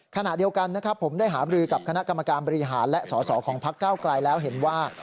ขณะเดียวกันนะครับผมได้หาบรือกับคณะกรรมการบริหารและสอสอของพักเก้าไกลแล้วเห็นว่า